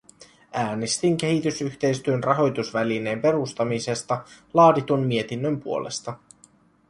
Äänestin kehitysyhteistyön rahoitusvälineen perustamisesta laaditun mietinnön puolesta.